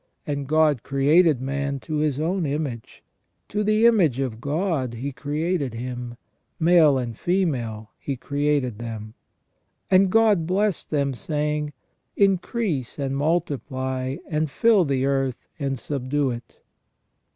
And God created man to His own image ; to the image of God He created him : male and female He created them. And God blessed them, saying : Increase and multiply, and fill the earth, and subdue it."